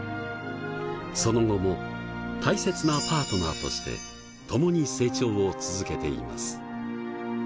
その後も大切なパートナーとして共に成長を続けています。